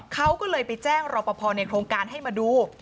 เขาก็เลยไปแจ้งรอปภในโครงการให้มาดู